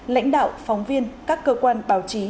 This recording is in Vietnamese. lãnh đạo phóng viên các cơ quan báo chí